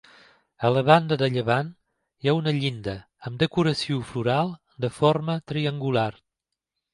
A la banda de llevant hi ha una llinda amb decoració floral de forma triangular.